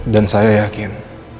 dan saya yakin